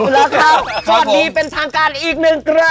แล้วครับข้อดีเป็นทางการอีกหนึ่งเกลือ